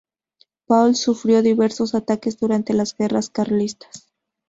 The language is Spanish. Pauls sufrió diversos ataques durante las guerras carlistas.